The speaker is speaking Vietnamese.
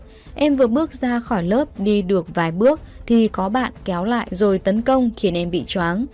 hôm nay em vừa bước ra khỏi lớp đi được vài bước thì có bạn kéo lại rồi tấn công khiến em bị chóng